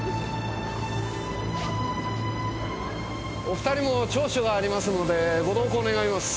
お２人も聴取がありますのでご同行願います。